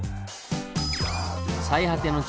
「最果ての地」